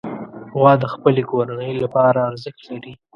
غوا د خپلې کورنۍ لپاره ارزښت لري.